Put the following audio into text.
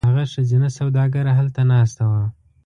هغه ښځینه سوداګره هلته ناسته وه.